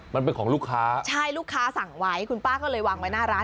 มันเป็นของลูกค้าใช่ลูกค้าสั่งไว้คุณป้าก็เลยวางไว้หน้าร้าน